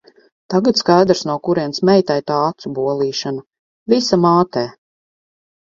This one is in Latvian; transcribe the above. Tagad skaidrs, no kurienes meitai tā acu bolīšana – visa mātē.